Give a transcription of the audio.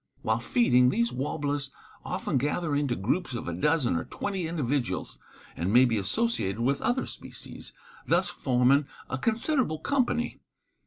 While feeding, these warblers often gather into groups of a dozen or twenty individuals, and may be associated with other species, thus forming a considerable company.